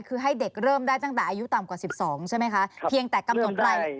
คือให้เด็กเริ่มได้ตั้งแต่อายุต่ำกว่า๑๒ใช่ไหมคะเพียงแต่กำหนดไป